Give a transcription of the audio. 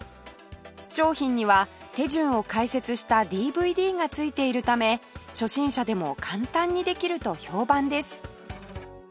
商品には手順を解説した ＤＶＤ がついているため初心者でも簡単にできると評判です